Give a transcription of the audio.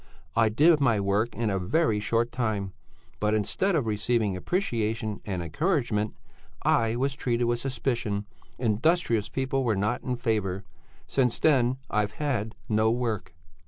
I did my work in a very short time, but instead of receiving appreciation and encouragement, I was treated with suspicion; industrious people were not in favour. Since then I've had no work.